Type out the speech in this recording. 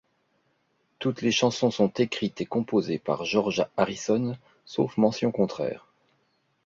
Toutes les chansons sont écrites et composées par George Harrison, sauf mention contraire.